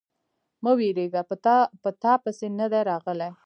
_مه وېرېږه، په تاپسې نه دي راغلی.